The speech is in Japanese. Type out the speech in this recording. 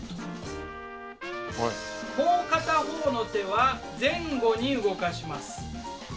もう片方の手は前後に動かします。